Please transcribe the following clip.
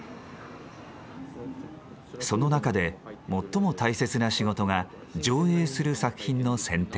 その中で最も大切な仕事が上映する作品の選定。